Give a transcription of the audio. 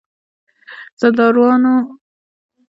زردارانو، سردارانو او قاچاق برانو په غويمند کې.